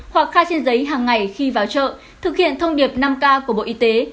hoặc khai trên giấy hàng ngày khi vào chợ thực hiện thông điệp năm k của bộ y tế